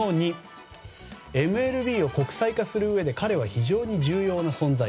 ＭＬＢを国際化するうえで彼は非常に重要な存在。